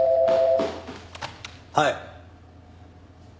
はい。